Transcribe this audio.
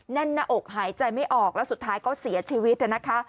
แน่นหน้าอกหายใจไม่ออกแล้วสุดท้ายก็เสียชีวิตนะคะ